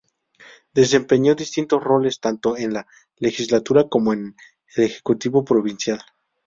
Desempeñó distintos roles tanto en la Legislatura como en el Ejecutivo Provincial.